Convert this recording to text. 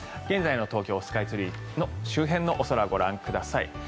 現在の東京スカイツリー周辺のお空ご覧ください。